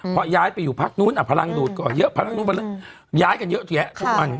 เพราะย้ายไปอยู่พักนู้นพลังดูดก็เยอะพลังนู้นย้ายกันเยอะแยะทุกวัน